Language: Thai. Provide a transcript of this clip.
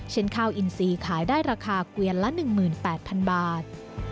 ข้าวอินซีขายได้ราคาเกวียนละ๑๘๐๐๐บาท